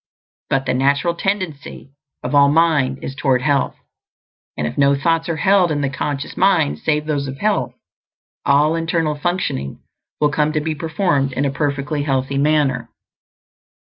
But the natural tendency of all mind is toward health, and if no thoughts are held in the conscious mind save those of health, all internal functioning will come to be performed in a perfectly healthy manner.